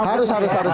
harus harus harus